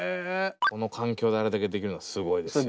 この環境であれだけできるのはすごいですわ。